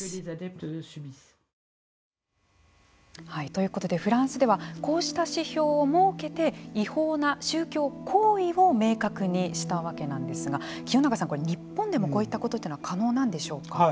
ということでフランスではこうした指標を設けて違法な宗教行為を明確にしたわけなんですが清永さん、日本でもこういったことって可能なんでしょうか。